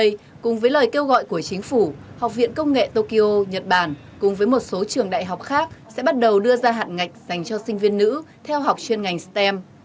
trong năm học mới của chính phủ học viện công nghệ tokyo nhật bản cùng với một số trường đại học khác sẽ bắt đầu đưa ra hạn ngạch dành cho sinh viên nữ theo học chuyên ngành stem